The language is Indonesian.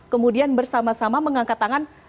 kemudian bersama sama mengangkat tangan